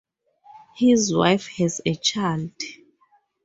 His wife has a child.